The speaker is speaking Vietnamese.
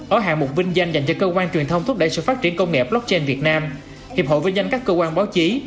ở hạng mục vinh danh dành cho cơ quan truyền thông thúc đẩy sự phát triển công nghệ blockchain việt nam hiệp hội vinh danh các cơ quan báo chí